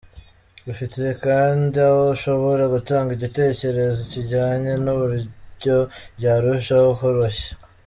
Rufite kandi aho ushobora gutanga igitekerezo kijyanye n’uburyo byarushaho koroshywa.